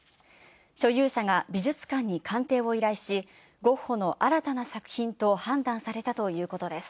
所有者が美術館に鑑定を依頼し、ゴッホの新たな作品と判断されたということです。